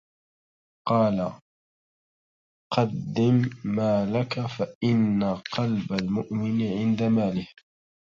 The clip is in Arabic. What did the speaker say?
قَالَ قَدِّمْ مَالَك فَإِنَّ قَلْبَ الْمُؤْمِنِ عِنْدَ مَالِهِ